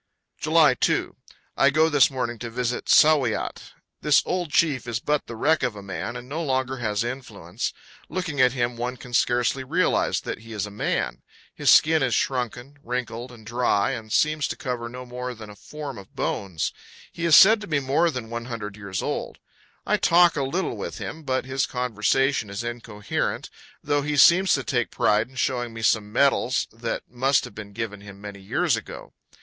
July 2. I go this morning to visit Tsauwiat. This old chief is 184 4 CANYONS OF THE COLORADO. but the wreck of a man, and no longer has influence. Looking at him one can scarcely realize that he is a man. His skin is shrunken, wrinkled, and dry, and seems to cover no more than a form of bones. He is said to be more than 100 years old. I talk a little with him, but his conversation is incoherent, though he seems to take pride in showing me some medals that must have been given him many years ago.